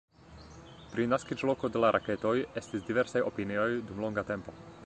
Pri naskiĝloko de la raketoj estis diversaj opinioj dum longa tempo.